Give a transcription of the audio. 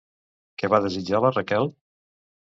Què va desitjar la Raquel?